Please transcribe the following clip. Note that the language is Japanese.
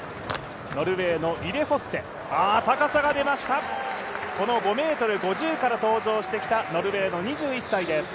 ノルウェーのリレフォッセ、この５ｍ５０から登場してきたノルウェーの２１歳です。